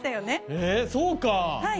えっそうか！